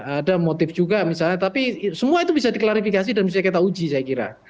ada motif juga misalnya tapi semua itu bisa diklarifikasi dan bisa kita uji saya kira